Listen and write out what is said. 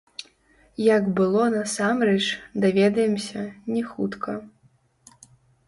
Як было насамрэч, даведаемся, не хутка.